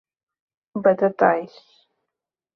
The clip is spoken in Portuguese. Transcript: Batatais